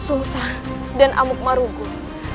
sungsang dan amuk marugun